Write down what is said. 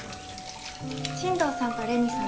進藤さんとレミさん